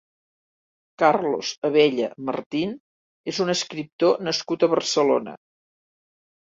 Carlos Abella Martín és un escriptor nascut a Barcelona.